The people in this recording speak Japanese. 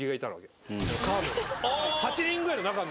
カード８人ぐらいの中の。